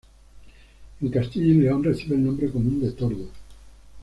En Castilla y León recibe el nombre común de tordo.